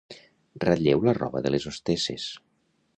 Ratlleu la roba de les hostesses.